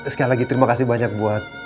sekali lagi terima kasih banyak buat